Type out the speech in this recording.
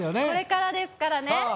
これからですからね。